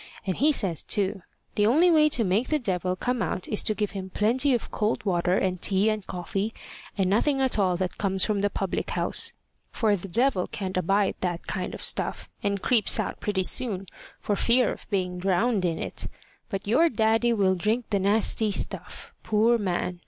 And he says, too, the only way to make the devil come out is to give him plenty of cold water and tea and coffee, and nothing at all that comes from the public house; for the devil can't abide that kind of stuff, and creeps out pretty soon, for fear of being drowned in it. But your daddy will drink the nasty stuff, poor man!